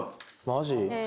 マジ？